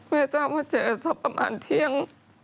แม่ทราบว่าเจออาทธิ์ศพประมาณเที่ยง